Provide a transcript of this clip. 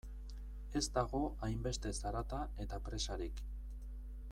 Ez dago hainbeste zarata eta presarik.